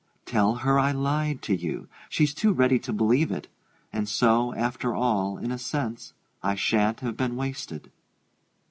Tell her I lied to her she's too ready to believe it! And so, after all, in a sense, I sha'n't have been wasted."